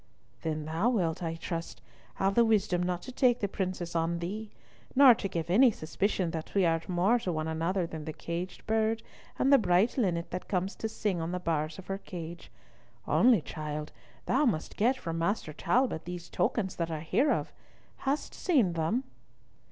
"Then thou wilt, I trust, have the wisdom not to take the princess on thee, nor to give any suspicion that we are more to one another than the caged bird and the bright linnet that comes to sing on the bars of her cage. Only, child, thou must get from Master Talbot these tokens that I hear of. Hast seen them?"